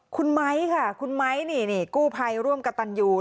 คุณไม้ค่ะคุณไม้นี่กู้ภัยร่วมกับตันยู